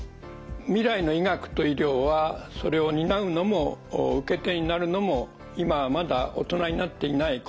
未来の医学と医療はそれを担うのも受け手になるのも今はまだ大人になっていない子どもたちです。